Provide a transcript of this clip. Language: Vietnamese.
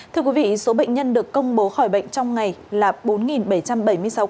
thưa quý vị số bệnh nhân được công bố khỏi bệnh trong ngày là bốn bảy trăm bảy mươi sáu ca